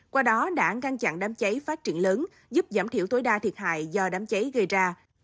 qua đó đã ngăn chặn đám cháy phát triển lớn giúp giảm thiểu tối đa thiệt hại do đám cháy gây ra